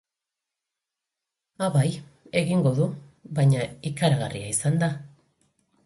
Ah, bai, egingo du, baina ikaragarria izan da.